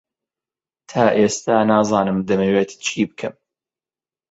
تا ئێستا نازانم دەمەوێت چی بکەم.